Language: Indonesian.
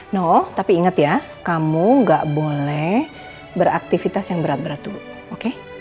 no tapi ingat ya kamu gak boleh beraktivitas yang berat berat dulu oke